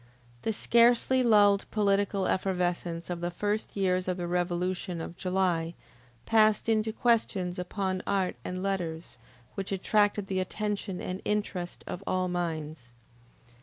The scarcely lulled political effervescence of the first years of the revolution of July, passed into questions upon art and letters, which attracted the attention and interest of all minds.